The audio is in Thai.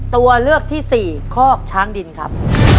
ตัวเลือกที่สี่คอกช้างดินครับ